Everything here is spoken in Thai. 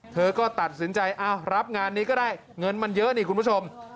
เธอก็ตัดสินใจรับงานนี้ก็ได้เงินมันเยอะนี่คุณผู้ชม